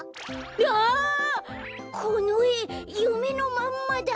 あこのえゆめのまんまだ！